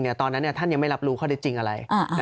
ตอนนั้นท่านยังไม่รับรู้ข้อได้จริงอะไร